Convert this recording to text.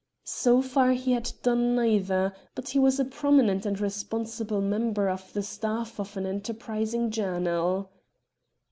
So far he had done neither, but he was a prominent and responsible member of the staff of an enterprising journal.